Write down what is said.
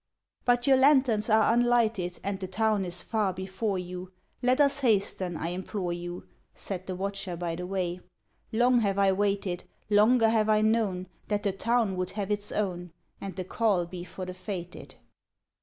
"But your lanterns are unlighted And the Town is far before you: Let us hasten, I implore you/' Said the Watcher by the Way. "Long have I waited, Longer have I known That the Town would have its own. And the call be for the fated.